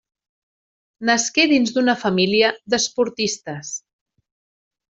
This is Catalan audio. Nasqué dins d'una família d'esportistes.